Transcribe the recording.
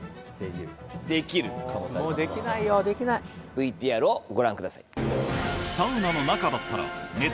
ＶＴＲをご覧ください。